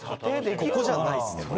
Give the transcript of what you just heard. ここじゃないですねこれ。